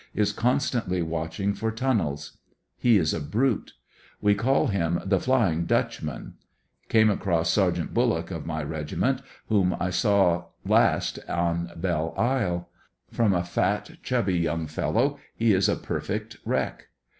Is constantly watching for tunnels. He is a brute. We call him the "Flying Dutchman " Came across Sergt. Bullock, of my regiment, whom I last saw on Belle Isle From a fat, chubby young fellow, he is a perfect wreck.